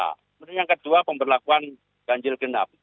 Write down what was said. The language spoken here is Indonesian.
kemudian yang kedua pemberlakuan ganjil genap